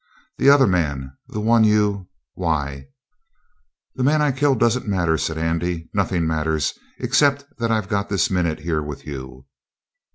"The other man the one you why " "The man I killed doesn't matter," said Andy. "Nothing matters except that I've got this minute here with you."